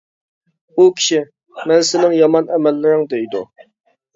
ئۇ كىشى: مەن سېنىڭ يامان ئەمەللىرىڭ دەيدۇ.